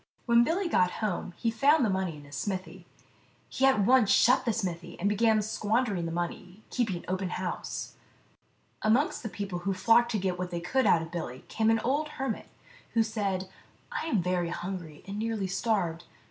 55 When Billy got home he found the money in his smithy. He at once shut the smithy, and began squandering the money, keeping open house. Amongst the people who flocked to get what they could out of Billy came an old hermit, who said, " I am very hungry, and nearly starved.